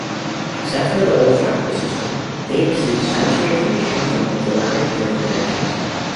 Except for the olfactory system, they receive sensory information from thalamic nerve projections.